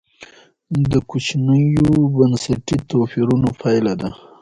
د کوچنیو بنسټي توپیرونو پایله ده.